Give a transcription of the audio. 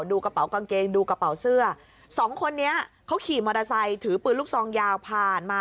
กระเป๋ากางเกงดูกระเป๋าเสื้อสองคนนี้เขาขี่มอเตอร์ไซค์ถือปืนลูกซองยาวผ่านมา